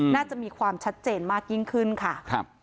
น่าจะมีความชัดเจนมากยิ่งขึ้นค่ะ